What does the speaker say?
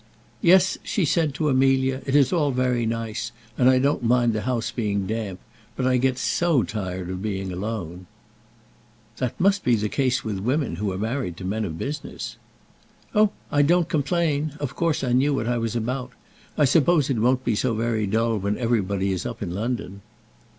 "Yes," she said to Amelia, "it is all very nice, and I don't mind the house being damp; but I get so tired of being alone." "That must be the case with women who are married to men of business." "Oh, I don't complain. Of course I knew what I was about. I suppose it won't be so very dull when everybody is up in London."